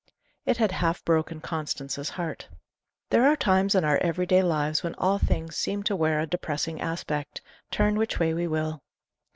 It had half broken Constance's heart. There are times in our every day lives when all things seem to wear a depressing aspect, turn which way we will.